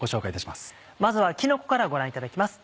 まずはきのこからご覧いただきます。